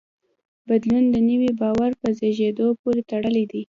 بدلون د نوي باور په زېږېدو پورې تړلی دی.